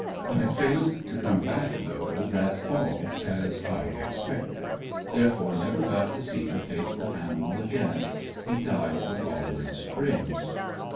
I failed to come back though that fall as I expected, therefore never got to see the faithful animal again; he died the following spring.